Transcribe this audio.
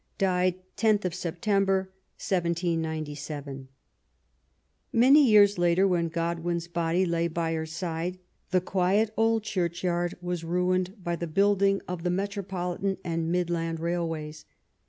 DIBD X« SBFTEMBBB, MDOOXOYIL Many years later, when Godwin's body lay by her side, the quiet old churchyard was ruined by the build ing of the Metropolitan and Midland Railways.